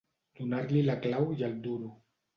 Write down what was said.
Donar-li la clau i el duro.